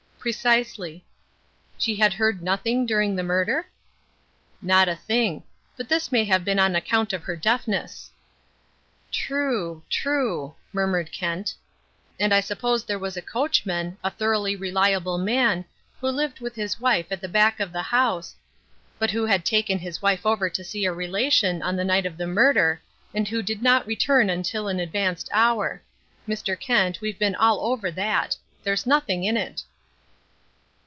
"Precisely." "She had heard nothing during the murder?" "Not a thing. But this may have been on account of her deafness." "True, true," murmured Kent. "And I suppose there was a coachman, a thoroughly reliable man, who lived with his wife at the back of the house " "But who had taken his wife over to see a relation on the night of the murder, and who did not return until an advanced hour. Mr. Kent, we've been all over that. There's nothing in it."